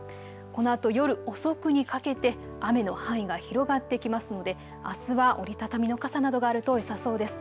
このあと夜遅くにかけて雨の範囲が広がってきますのであすは折り畳みの傘などがあるとよさそうです。